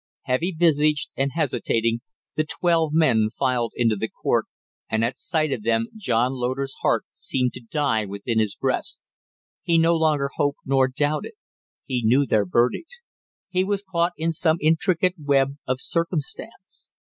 Heavy visaged and hesitating, the twelve men filed into court, and at sight of them John North's heart seemed to die within his breast. He no longer hoped nor doubted, he knew their verdict, he was caught in some intricate web of circumstance!